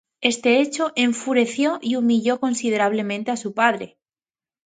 Este hecho enfureció y humilló considerablemente a su padre.